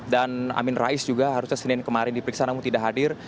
dan amin rais juga harusnya senin kemarin diperiksa namun tidak hadir